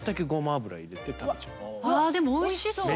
あでもおいしそう。